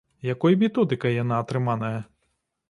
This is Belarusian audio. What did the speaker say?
Якой методыкай яна атрыманая?